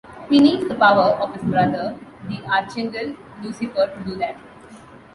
He needs the power of his brother, the Archangel Lucifer to do that.